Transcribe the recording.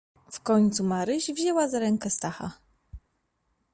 "W końcu Maryś wzięła za rękę Stacha."